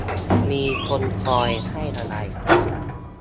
มีคนคอยให้อะไร